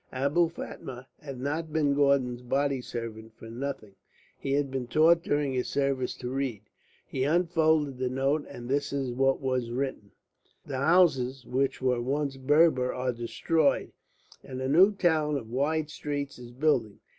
Abou Fatma had not been Gordon's body servant for nothing; he had been taught during his service to read. He unfolded the note, and this is what was written: "The houses which were once Berber are destroyed, and a new town of wide streets is building.